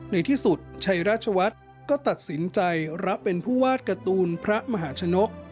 ในที่สุดชัยราชวัฒน์ก็ตัดสินใจรับเป็นผู้วาดการ์ตูนพระมหาชนก